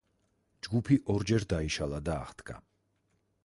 ჯგუფი ორჯერ დაიშალა და აღდგა.